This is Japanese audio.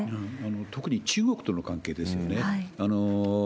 特に中国との関係ですよね。